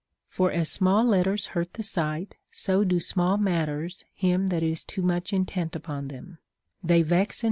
For as small letters hurt the sight, so do small matters him that is too much intent upon them ; they vex and stir * Sophocles, Frag.